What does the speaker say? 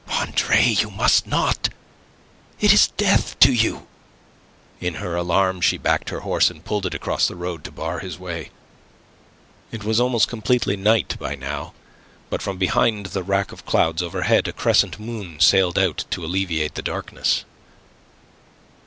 "Andre, you must not! It is death to you!" In her alarm she backed her horse, and pulled it across the road to bar his way. It was almost completely night by now; but from behind the wrack of clouds overhead a crescent moon sailed out to alleviate the darkness.